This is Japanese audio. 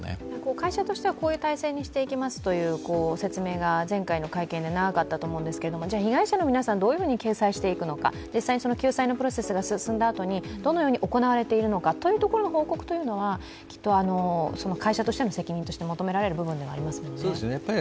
会社としてはこういう体制にしていきますという説明が前回の会見で長かったと思うんですけれども被害者の皆さんをどう救済していくのか救済のプロセスが進んだあとに、どのように進んでいくのかという報告というのは会社としての説明は責任として求められる部分としてありますよね